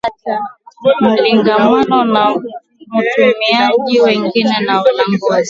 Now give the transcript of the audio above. mwingiliano na watumiaji wengine na walanguzi